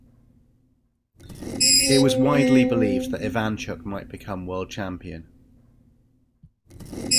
It was widely believed that Ivanchuk might become World Champion.